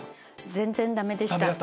全然ダメでした。